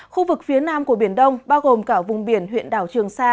khu vực phía nam của biển đông bao gồm cả vùng biển huyện đảo trường sa